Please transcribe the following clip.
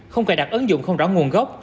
không cài đặt ứng dụng không rõ nguồn gốc